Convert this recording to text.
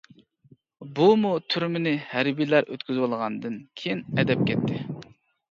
بۇمۇ تۈرمىنى ھەربىيلەر ئۆتكۈزۈۋالغاندىن كېيىن ئەدەپ كەتتى.